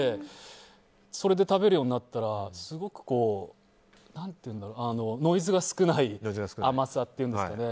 それで食べるようになったらすごくノイズが少ない甘さっていうんですかね。